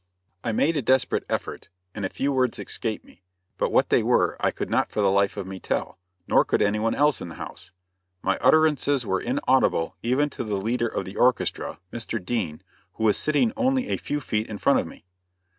I made a desperate effort, and a few words escaped me, but what they were I could not for the life of me tell, nor could any one else in the house. My utterances were inaudible even to the leader of the orchestra, Mr. Dean, who was sitting only a few feet in front of me.